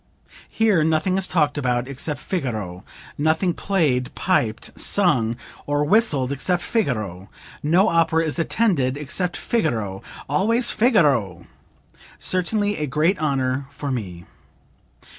Here nothing is talked about except 'Figaro,' nothing played, piped, sung or whistled except 'Figaro;' no opera is attended except 'Figaro,' always 'Figaro.' Certainly a great honor for me."